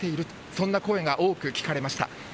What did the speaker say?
そんな声が多く聞かれました。